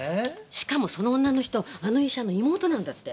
しかもその女の人あの医者の妹なんだって。